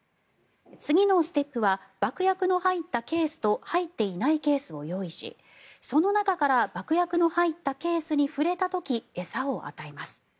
次のステップは爆薬の入ったケースと入っていないケースを用意しその中から爆薬の入ったケースに触れた時餌を与えます。